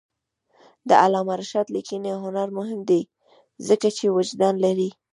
د علامه رشاد لیکنی هنر مهم دی ځکه چې وجدان لري.